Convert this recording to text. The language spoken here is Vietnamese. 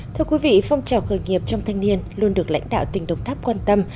thưa quý vị phong trào khởi nghiệp trong thanh niên luôn được lãnh đạo tỉnh đồng tháp quan tâm